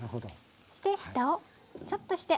そしてふたをちょっとして。